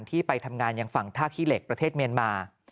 ที่ไปทำงานอย่างฝั่งท่าขี้เหล็กประเทศเมียนมา